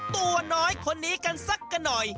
ตัวน้อยคนนี้กันสักกันหน่อย